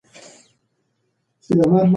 د پښتو ژبې خدمت زموږ دنده ده.